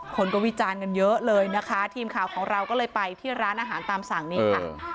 คนก็วิจารณ์กันเยอะเลยนะคะทีมข่าวของเราก็เลยไปที่ร้านอาหารตามสั่งนี้ค่ะ